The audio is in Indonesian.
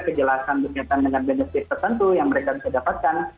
kejelasan berkaitan dengan genetik tertentu yang mereka bisa dapatkan